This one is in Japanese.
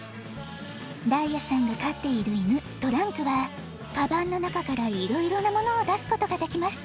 ダイヤさんがかっているいぬトランクはカバンのなかからいろいろなものをだすことができます。